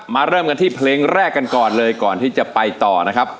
เริ่มกันที่เพลงแรกกันก่อนเลยก่อนที่จะไปต่อนะครับ